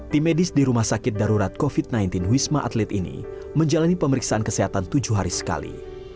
tim medis di rumah sakit darurat covid sembilan belas wisma atlet ini menjalani pemeriksaan kesehatan tujuh hari sekali